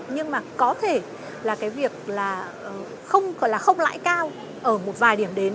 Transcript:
nhưng mà có thể là cái việc là không lãi cao ở một vài điểm đến